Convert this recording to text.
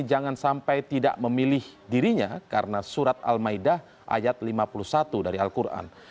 jangan sampai tidak memilih dirinya karena surat al maidah ayat lima puluh satu dari al quran